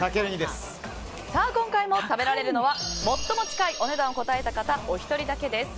今回も食べられるのは最も近いお値段を答えた１人だけです。